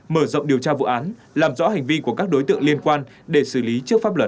mở rộng điều tra vụ án làm rõ hành vi của các đối tượng liên quan để xử lý trước pháp luật